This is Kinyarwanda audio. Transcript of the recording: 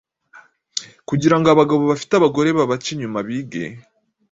kugirango abagabo bafite abagore babaca inyuma bige